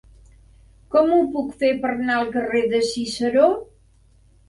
Com ho puc fer per anar al carrer de Ciceró?